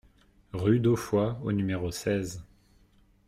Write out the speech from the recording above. Rue d'Offoy au numéro seize